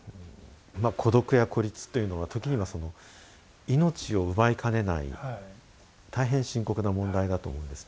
孤独や孤立というのは時には命を奪いかねない大変深刻な問題だと思うんですね。